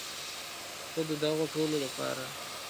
خو د دغو ټولو لپاره.